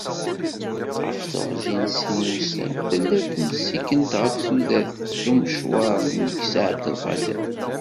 Ɣef teɣzi n sin wussan, tella-d temsikent ɣef tudert d umecwar n Meksa Ɛabdelqader.